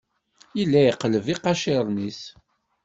Yella yeqleb iqaciren-is.